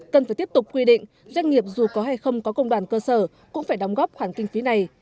cần phải tiếp tục quy định doanh nghiệp dù có hay không có công đoàn cơ sở cũng phải đóng góp khoản kinh phí này